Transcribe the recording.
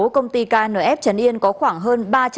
công ty knf trấn yên có khoảng hơn